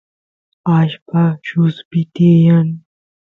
allpa lluspi tiyan